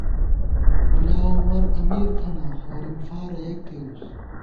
ملاعمر امیر تھنہ ، ہورِم فارہ یک کېرُس